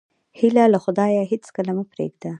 هیله له خدایه هېڅکله مه پرېږده.